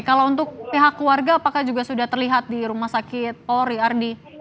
kalau untuk pihak keluarga apakah juga sudah terlihat di rumah sakit polri ardi